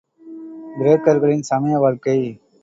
கிரேக்கர்களின் சமய வாழ்க்கை.